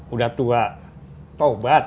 udah tua toh banget